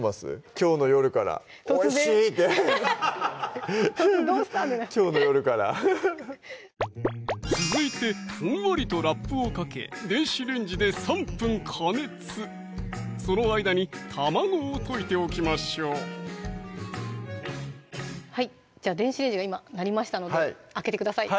きょうの夜から「おいしい！」ってきょうの夜から続いてふんわりとラップをかけ電子レンジで３分加熱その間に卵を溶いておきましょうはいじゃあ電子レンジが今鳴りましたので開けてください